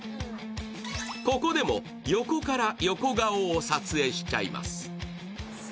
ここでも横から横顔を撮影しちゃいます。